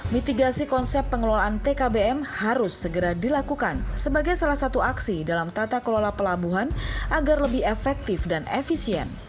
mitigasi konsep pengelolaan tkbm harus segera dilakukan sebagai salah satu aksi dalam tata kelola pelabuhan agar lebih efektif dan efisien